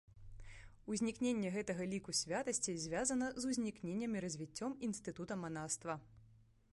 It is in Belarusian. Узнікненне гэтага ліку святасці звязана з узнікненнем і развіццём інстытута манаства.